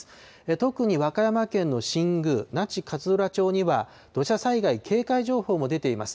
特に和歌山県の新宮、那智勝浦町には土砂災害警戒情報も出ています。